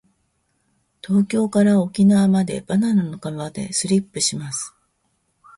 東京から沖縄までバナナの皮でスリップします。